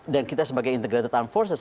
dan kita sebagai integrated armed forces